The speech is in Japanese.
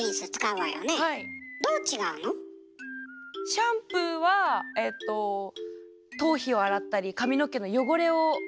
シャンプーは頭皮を洗ったり髪の毛の汚れを洗う。